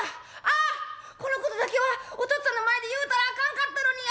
あこのことだけはおとっつぁんの前で言うたらあかんかったのに。